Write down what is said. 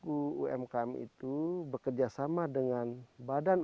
dan juga di tempat lain juga kita lebih banyak bertumbuh di tempat lain dan juga di tempat lain